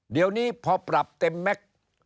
เดี๋ยวนี้พอปรับเต็มแม็กซ์